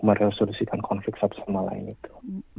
mere resolusikan konflik sama lainnya